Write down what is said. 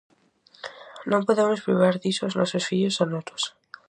Non podemos privar diso aos nosos fillos e netos.